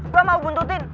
gue mau buntutin